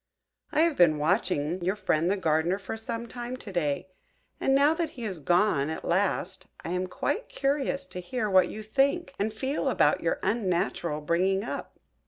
I have been watching your friend the Gardener for some time to day; and now that he is gone at last, I am quite curious to hear what you think and feel about your unnatural bringing up."